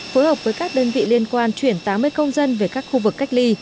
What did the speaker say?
phối hợp với các đơn vị liên quan chuyển tám mươi công dân về các khu vực cách ly